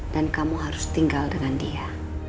dan kamu harus tinggal dengan dia